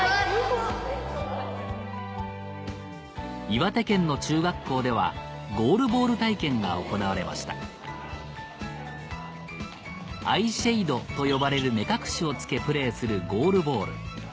岩手県の中学校ではゴールボール体験が行われましたアイシェードと呼ばれる目隠しを着けプレーするゴールボール